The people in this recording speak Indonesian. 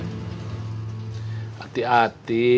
hati hati nanti aku nunggu